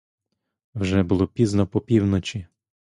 Вже було пізно по півночі.